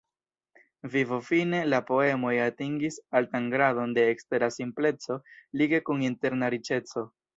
Vivofine, la poemoj atingis altan gradon de ekstera simpleco lige kun interna riĉeco.